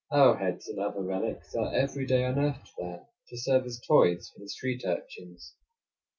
Arrowheads and other relics are every day unearthed there, to serve as toys for the street urchins.